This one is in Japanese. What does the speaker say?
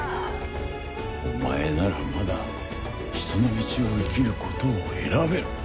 お前ならまだ人の道を生きることを選べる。